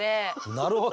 なるほど。